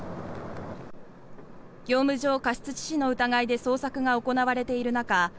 業務上過失致死の疑いで捜索が行われている中